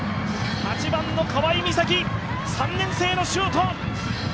８番の川井心咲、３年生のシュート！